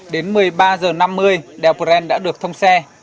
đến một mươi ba h năm mươi đèo pren đã được thông xe